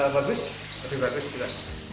bagus tapi bagus juga